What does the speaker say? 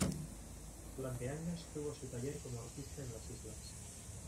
Durante años tuvo su taller como artista en las islas.